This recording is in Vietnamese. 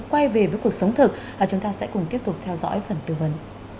quay về với cuộc sống thực chúng ta sẽ cùng tiếp tục theo dõi phần tư vấn